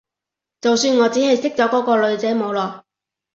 就算我只係識咗嗰個女仔冇耐